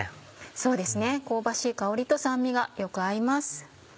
そうですね香ばしい香りと酸味がよく合います。